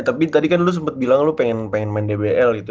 tapi tadi kan lo sempat bilang lo pengen main dbl gitu